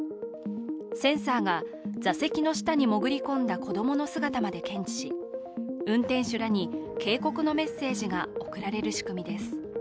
センサーが座席の下にもぐり込んだ子供の姿まで検知し、運転手らに警告のメッセージが送られる仕組みです。